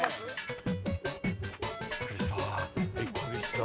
びっくりした。